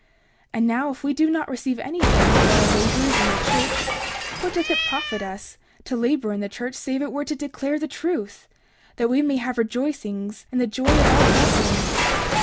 30:34 And now, if we do not receive anything for our labors in the church, what doth it profit us to labor in the church save it were to declare the truth, that we may have rejoicings in the joy of our brethren?